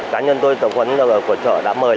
cá nhân tôi tập huấn của chợ đã mời